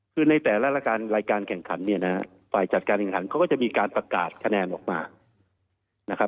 คือในแต่ละรายการแข่งขันฝ่ายจัดการแข่งขันก็จะมีการประกาศคะแนนออกมา